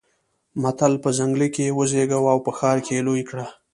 متل: په ځنګله کې يې وزېږوه او په ښار کې يې لوی کړه.